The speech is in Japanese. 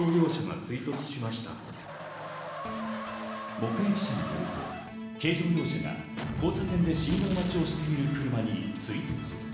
目撃者によると、軽乗用車が交差点で信号待ちをしている車に追突。